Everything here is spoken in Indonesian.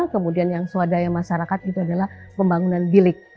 kemudian yang swadaya masyarakat itu adalah pembangunan bilik